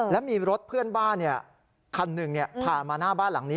และมีรถเพื่อนบ้านคันหนึ่งผ่านมาหน้าบ้านหลังนี้